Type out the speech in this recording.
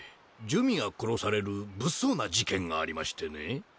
珠魅が殺される物騒な事件がありましてね。